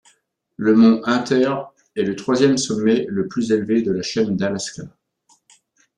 Le mont Hunter est le troisième sommet le plus élevé de la chaîne d'Alaska.